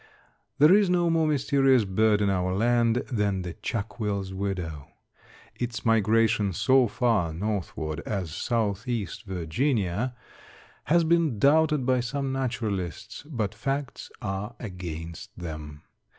There is no more mysterious bird in our land than the chuckwills widow. Its migration so far northward as southeast Virginia has been doubted by some naturalists, but facts are against them.